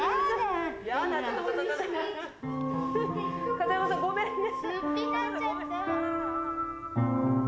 片山さんごめんね。